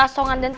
aku sangat penat